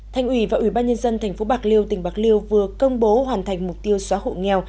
thành ủy và ủy ban nhân dân tp bạc liêu tỉnh bạc liêu vừa công bố hoàn thành mục tiêu xóa hộ nghèo